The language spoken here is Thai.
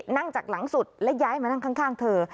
นั่งจากหลังสุดและย้ายมานั่งข้างเธอ